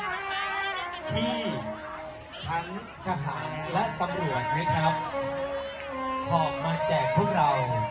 ที่ทั้งทหารและตำรวจนะครับออกมาแจกพวกเรา